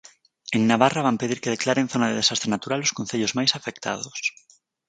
En Navarra van pedir que declaren zona de desastre natural os concellos máis afectados.